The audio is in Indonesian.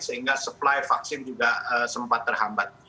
sehingga supply vaksin juga sempat terhambat